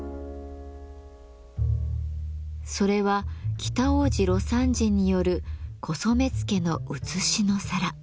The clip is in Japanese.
それは北大路魯山人による古染付のうつしの皿。